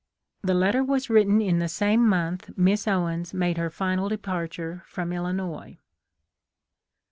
The letter was written in the same month Miss Owens made her final departure from Illinois.